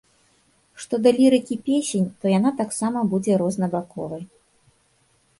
Што да лірыкі песень, то яна таксама будзе рознабаковай.